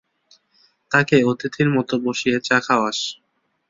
তাকে অতিথির মতো বসিয়ে চা খাওয়াস।